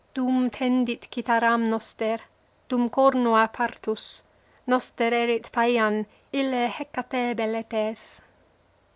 Dum tendit citharam noster, dum cornua Parthus, Noster erit Paean, ille Ekataebeletaes.